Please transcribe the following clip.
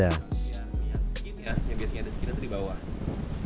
biasanya ada skinnya itu di bawah